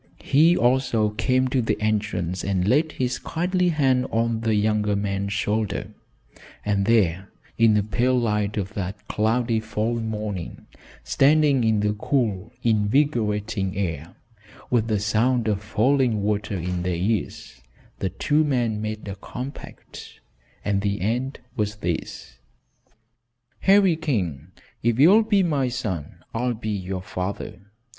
He also came to the entrance and laid his kindly hand on the younger man's shoulder, and there in the pale light of that cloudy fall morning, standing in the cool, invigorating air, with the sound of falling water in their ears, the two men made a compact, and the end was this. "Harry King, if you'll be my son, I'll be your father.